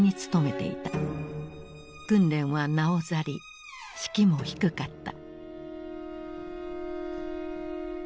訓練はなおざり士気も低かった。